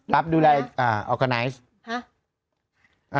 รับดูแลอยังไพรใน